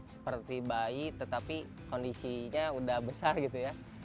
seperti bayi tetapi kondisinya udah besar gitu ya